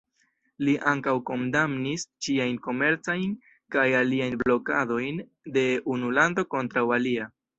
Li ankaŭ kondamnis ĉiajn komercajn kaj aliajn blokadojn de unu lando kontraŭ alia.